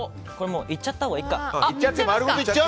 いっちゃったほうがいいか。